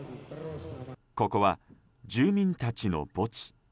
ここは住民たちの墓地。